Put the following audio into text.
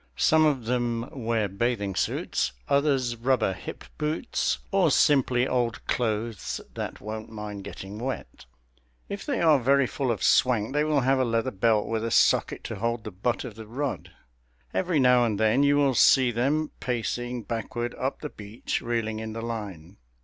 Some of them wear bathing suits; others rubber hip boots, or simply old clothes that won't mind getting wet. If they are very full of swank they will have a leather belt with a socket to hold the butt of the rod. Every now and then you will see them pacing backward up the beach, reeling in the line.